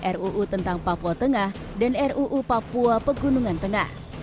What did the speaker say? ruu tentang papua tengah dan ruu papua pegunungan tengah